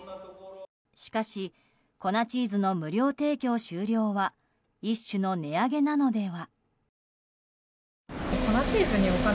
しかし粉チーズの無料提供終了は一種の値上げなのでは？